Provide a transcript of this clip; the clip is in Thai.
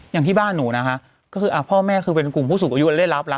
อย่างที่บ้านหนูนะคะก็คือพ่อแม่คือเป็นกลุ่มผู้สูงอายุได้รับรัก